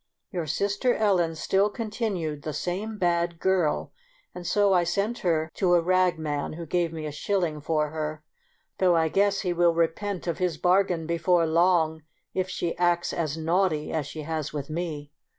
Your sister Ellen still con tinued the same bad girl, and so I sent her to a ragman who gave me a shilling for her, though I guess he will repent of his bargain before long, if she acts as naughty as she has with me.